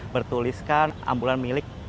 bertuliskan ambulans milik